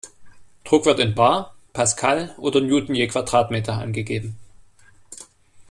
Druck wird in bar, Pascal oder Newton je Quadratmeter angegeben.